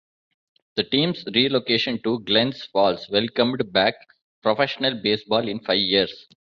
The team's relocation to Glens Falls welcomed back professional baseball in five years.